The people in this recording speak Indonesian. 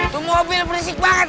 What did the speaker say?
tunggu mobil berisik banget